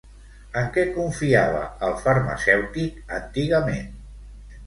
En què confiava el farmacèutic antigament?